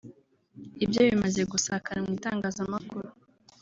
Ibye bimaze gusakara mu itangazamakuru